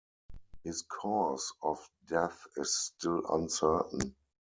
His cause of death is still uncertain.